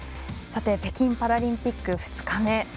さて、北京パラリンピック２日目